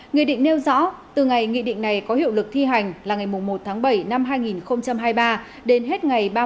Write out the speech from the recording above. nghị định nêu rõ từ ngày nghị định này có hiệu lực thi hành là ngày một bảy hai nghìn hai mươi ba đến hết ngày ba mươi một một mươi hai hai nghìn một mươi năm